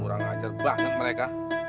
murah ngajar banget mereka